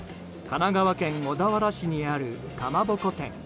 神奈川県小田原市にあるかまぼこ店。